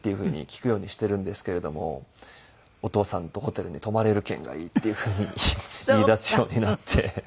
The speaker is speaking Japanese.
聞くようにしてるんですけれども「お父さんとホテルに泊まれる券がいい」っていうふうに言いだすようになって。